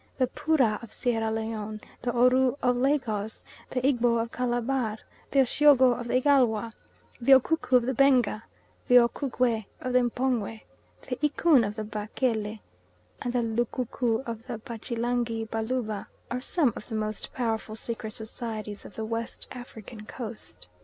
The Poorah of Sierra Leone, the Oru of Lagos, the Egbo of Calabar, the Isyogo of the Igalwa, the Ukuku of the Benga, the Okukwe of the M'pongwe, the Ikun of the Bakele, and the Lukuku of the Bachilangi Baluba, are some of the most powerful secret societies on the West African Coast.